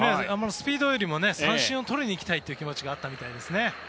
スピードよりも三振をとりにいきたいという気持ちがあったようですね。